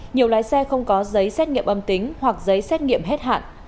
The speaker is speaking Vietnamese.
nhiều lái xe không có giấy xét nghiệm âm tính hoặc giấy xét nghiệm hết hạn